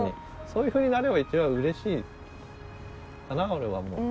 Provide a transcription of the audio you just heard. そういうふうになれば一番うれしいかな俺はもう。